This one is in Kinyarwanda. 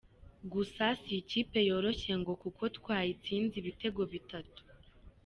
Gusa si ikipe yoroshye ngo kuko twayitsinze ibitego bitatu.